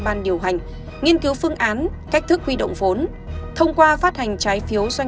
ban điều hành nghiên cứu phương án cách thức huy động vốn thông qua phát hành trái phiếu doanh